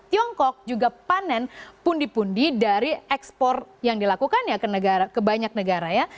tiongkok juga panen pundi pundi dari ekspor yang dilakukan ya ke negara ke banyak negara ya